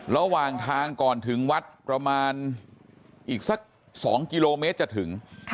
ระหว่างทางก่อนถึงวัดประมาณอีกสัก๒กิโลเมตรจะถึง